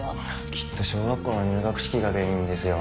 きっと小学校の入学式が原因ですよ。